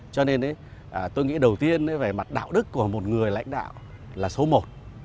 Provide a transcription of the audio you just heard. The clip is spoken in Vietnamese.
cho nên tôi nghĩ đầu tiên về mặt đạo đức của một người lãnh đạo là số một